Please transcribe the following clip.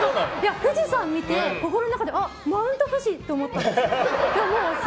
富士山を見て心の中でマウントフジって思ったんです。